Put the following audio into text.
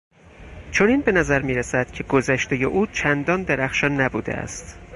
چنین به نظر میرسد که گذشتهی او چندان درخشان نبوده است.